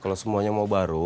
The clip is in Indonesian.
kalau semuanya mau baru